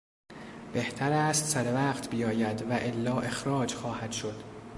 بهتر است سر وقت بیاید والا اخراج خواهد شد.